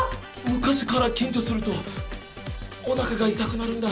昔から緊張するとお腹が痛くなるんだ。